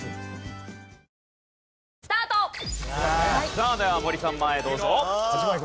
さあでは森さん前へどうぞ。